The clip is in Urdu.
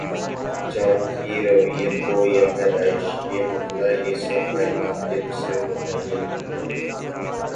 چاند کی رویت ہو یا پیدائش یا مطلع، یہ سب کائناتی علم سے متعین ہوں۔